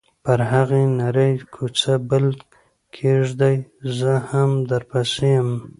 پر هغې نرۍ کوڅه پل کېږدۍ، زه هم درپسې یم.